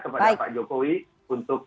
kepada pak jokowi untuk